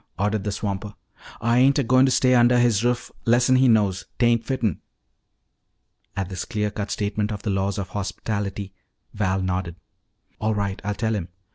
ordered the swamper. "Ah ain't a goin' to stay undah his ruff lessen he knows. 'Tain't fitten." At this clean cut statement of the laws of hospitality, Val nodded. "All right. I'll tell him.